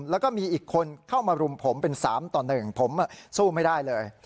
แล้วก็มีอีกคนเข้ามารุมผมเป็น๓ต่อ๑ผมสู้ไม่ได้เลย